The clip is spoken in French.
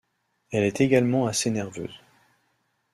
Elle est également assez nerveuse.